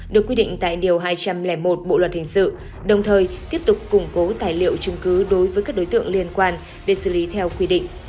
được quy định tại điều hai trăm linh một bộ luật hình sự đồng thời tiếp tục củng cố tài liệu chứng cứ đối với các đối tượng liên quan để xử lý theo quy định